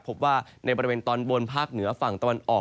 พบว่าในบริเวณตอนบนภาคเหนือฝั่งตะวันออก